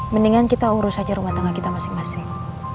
mendingan kita urus saja rumah tangga kita masing masing